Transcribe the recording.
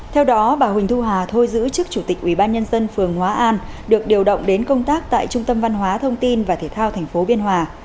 theo đó bà huỳnh thu hà thôi giữ chức chủ tịch ubnd phường hóa an được điều động đến công tác tại trung tâm văn hóa thông tin và thể thao tp biên hòa